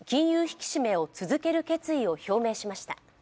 引き締めを続ける決意を表明しました。